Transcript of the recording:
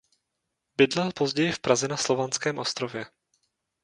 Bydlel později v Praze na Slovanském ostrově.